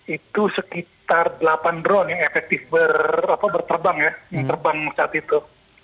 itu sekitar delapan drone yang efektif berterbang ya yang terbang saat itu